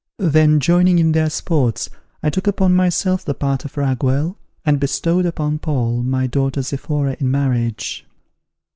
Then joining in their sports, I took upon myself the part of Raguel, and bestowed upon Paul, my daughter Zephora in marriage.